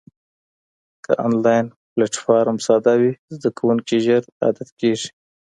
که انلاین پلیټفارم ساده وي، زده کوونکي ژر عادت کېږي.